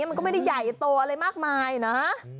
มันก็ไม่ได้ใหญ่โตอะไรมากมายนะ